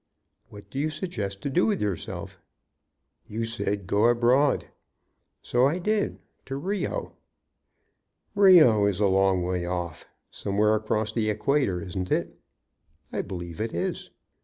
"What do you suggest to do with yourself?" "You said, go abroad." "So I did to Rio." "Rio is a long way off, somewhere across the equator, isn't it?" "I believe it is."